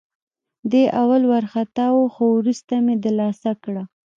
دی اول وارخطا وه، خو وروسته مې دلاسا کړه.